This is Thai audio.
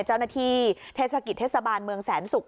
เจ้าหน้าที่เทศกิจเทศบาลเมืองแสนศุกร์